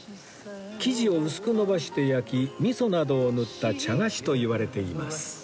生地を薄く延ばして焼き味噌などを塗った茶菓子といわれています